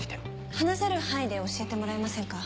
話せる範囲で教えてもらえませんか？